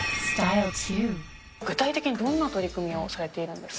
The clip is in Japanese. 具体的にどんな取り組みをされているんですか？